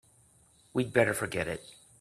We'd better forget it.